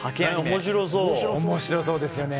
面白そうですよね。